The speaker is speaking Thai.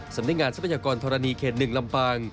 สำนักงานทรัพยากรธรณีเขต๑ลำปาง